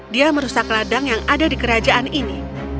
dia merusak ladang yang ada di kerajaan ini